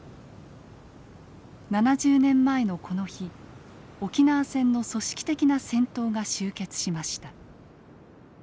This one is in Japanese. ７０年前のこの日沖縄戦の組織的な戦闘が終結しました。